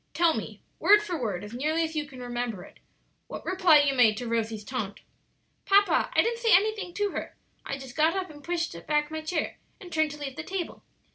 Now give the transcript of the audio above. Tell me, word for word, as nearly as you can remember it, what reply you made to Rosie's taunt." "Papa, I didn't say anything to her; I just got up and pushed back my chair, and turned to leave the table.